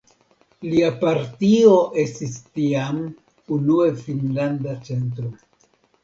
Lia partio estis tiam unue Finnlanda Centro.